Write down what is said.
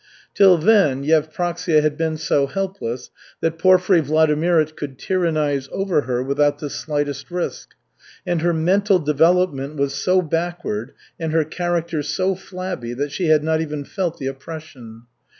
Till then Yevpraksia had been so helpless that Porfiry Vladimirych could tyrannize over her without the slightest risk, and her mental development was so backward and her character so flabby that she had not even felt the oppression.